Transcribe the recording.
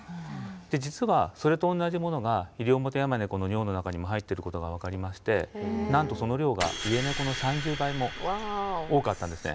実はそれと同じものがイリオモテヤマネコの尿の中にも入ってることが分かりましてなんとその量がイエネコの３０倍も多かったんですね。